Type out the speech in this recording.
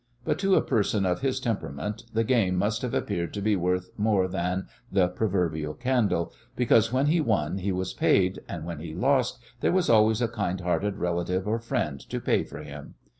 But to a person of his temperament the game must have appeared to be worth more than the proverbial candle, because when he won he was paid, and when he lost there was always a kind hearted relative or friend to pay for him.